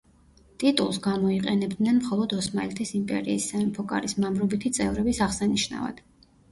ტიტულს გამოიყენებდნენ მხოლოდ ოსმალეთის იმპერიის სამეფო კარის მამრობითი წევრების აღსანიშნავად.